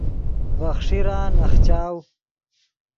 ڤے خݰیرا نخچاؤ